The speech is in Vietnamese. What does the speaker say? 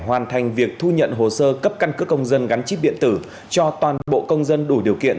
hoàn thành việc thu nhận hồ sơ cấp căn cước công dân gắn chip điện tử cho toàn bộ công dân đủ điều kiện